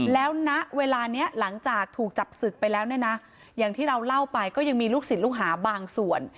แล้วณเวลานี้หลังจากถูกจับศึกไปแล้วเนี่ยนะอย่างที่เราเล่าไปก็ยังมีลูกศิษย์ลูกหาบางส่วน